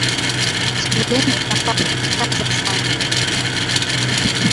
Shuleni unafaa kujikaza sana